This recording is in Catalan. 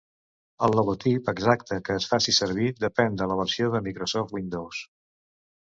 El logotip exacte que es faci servir depèn de la versió de Microsoft Windows.